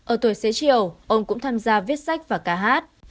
ở tuổi xế chiều ông cũng tham gia viết sách và ca hát